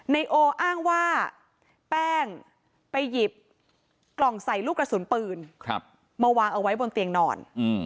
นายโออ้างว่าแป้งไปหยิบกล่องใส่ลูกกระสุนปืนมาวางเอาไว้บนเตียงนอน